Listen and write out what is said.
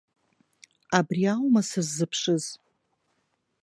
Абри аума сыззыԥшыз!